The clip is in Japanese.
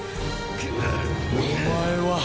お前は。